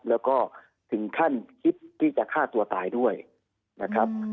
แล้วก็ถึงขั้นคิดที่จะฆ่าตัวตายด้วยนะครับ